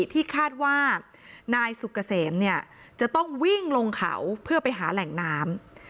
ที่คาดว่านายสุกเกษมเนี่ยจะต้องวิ่งลงเขาเพื่อไปหาแหล่งน้ำ